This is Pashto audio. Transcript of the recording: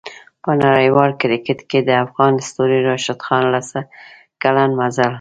په نړیوال کریکټ کې د افغان ستوري راشد خان لس کلن مزل